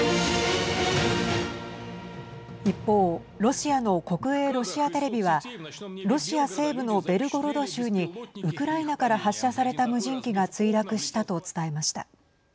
一方ロシアの国営ロシアテレビはロシア西部のベルゴロド州にウクライナから発射された無人機が墜落したと伝えました。